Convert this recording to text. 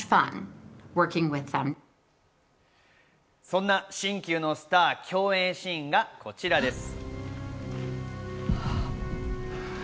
そんな新旧のスター、共演シーンがこちらです。